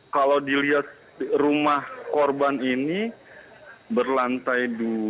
kalau dilihat rumah korban ini berlantai dua